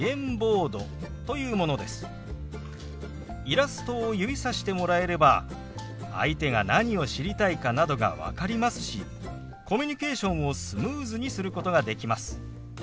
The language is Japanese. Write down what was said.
イラストを指さしてもらえれば相手が何を知りたいかなどが分かりますしコミュニケーションをスムーズにすることができます。